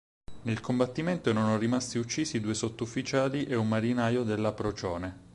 Nel combattimento erano rimasti uccisi due sottufficiali e un marinaio della "Procione".